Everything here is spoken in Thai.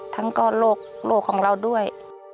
ทั้งก็โรคของเราด้วย